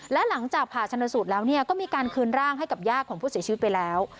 และหลังจากผ่าชนสูตรแล้วก็มีการคืนร่างให้กับญาติของผู้เสียชีวิตไปแล้ว